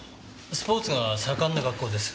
スポーツが盛んな学校です。